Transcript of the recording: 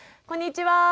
こんにちは。